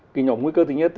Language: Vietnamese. cái nhỏ nguy cơ thứ nhất